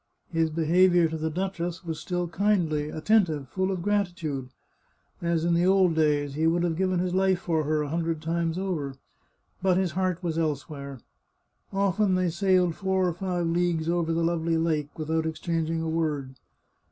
His be haviour to the duchess was still kindly, attentive, full of grati tude. As in the old days, he would have given his life for her a hundred times over. But his heart was elsewhere. Often they sailed four or five leagues over the lovely lake without exchanging a word.